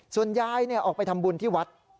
ส่วนยายออกไปทำบุญที่วัด